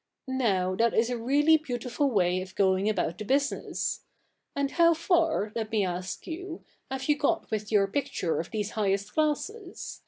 'Now, that is a really beautiful way of going about the business. And hov*' far, let me ask you, have you got with your picture of these highest classes